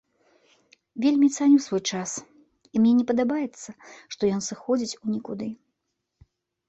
Вельмі цаню свой час, і мне не падабаецца, што ён сыходзіць у нікуды.